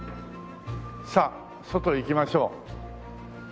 さあ外へ行きましょう。